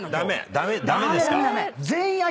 駄目ですか？